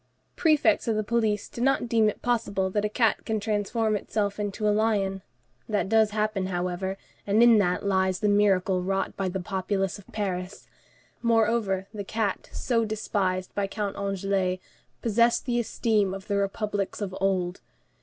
Prefects of the police do not deem it possible that a cat can transform itself into a lion; that does happen, however, and in that lies the miracle wrought by the populace of Paris. Moreover, the cat so despised by Count Anglès possessed the esteem of the republics of old.